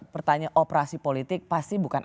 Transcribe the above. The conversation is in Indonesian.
pertanyaan operasi politik pasti bukan